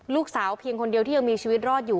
ลูกสาวเพียงคนเดียวที่สุดยอดอยู่